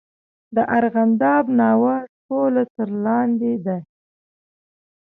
د ارغنداب ناوه ټوله تر لاندې ده.